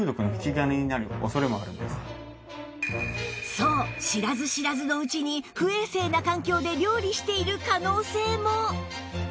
そう知らず知らずのうちに不衛生な環境で料理している可能性も